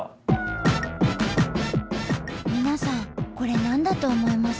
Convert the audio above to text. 皆さんこれ何だと思います？